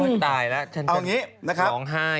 ตายแล้วฉันร้องไห้